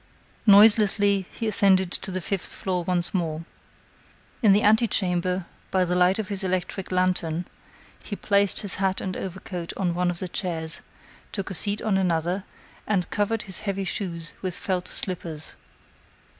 Noiselessly, he ascended to the fifth floor once more. In the antechamber, by the light of his electric lantern, he placed his hat and overcoat on one of the chairs, took a seat on another, and covered his heavy shoes with felt slippers.